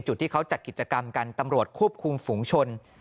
จุดที่เขาจัดกิจกรรมกันตำรวจควบคุมฝุงชน